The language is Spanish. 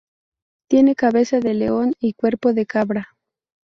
Tiene cabeza de león y cuerpo de cabra.